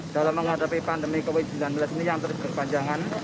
dalam menghadapi pandemi covid sembilan belas ini yang terus berkepanjangan